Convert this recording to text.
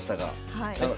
はい。